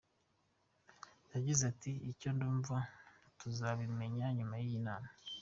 Yagize ati “Icyo ndumva tuzakimenya nyuma y’iyi nama.